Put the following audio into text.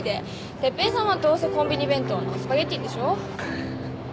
哲平さんはどうせコンビニ弁当のスパゲティでしょ？